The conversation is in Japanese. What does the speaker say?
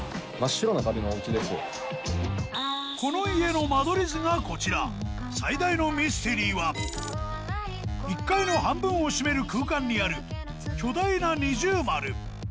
この家の間取り図がこちら最大のミステリーは１階の半分を占める空間にある巨大な二重丸